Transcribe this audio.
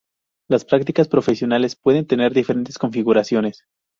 Las prácticas profesionales pueden tener diferentes configuraciones.